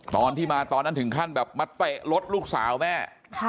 ตอนที่มาตอนนั้นถึงขั้นแบบมาเตะรถลูกสาวแม่